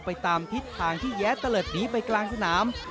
ไปตามทิศทางที่แย้ตะเลิศหนีไปกลางสนาม